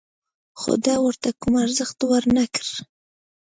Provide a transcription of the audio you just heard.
خو ده ورته کوم ارزښت ور نه کړ.